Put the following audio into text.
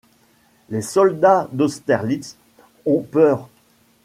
Les soldats d'Austerlitz ont peur.